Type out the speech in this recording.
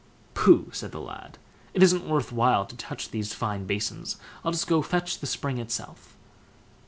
"Pooh!" said the lad, "it isn't worth while to touch these finer basins: I'll just go and fetch the spring itself."